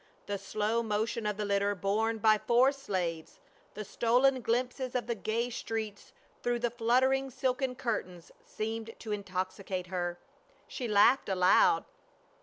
The slow motion of the litter borne by four slaves, the stolen glimpses of the gay streets through the fluttering silken curtains seemed to intoxicate her. She laughed aloud.